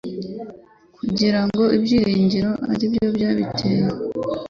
kugirango ibyiringiro aribyo byabiteye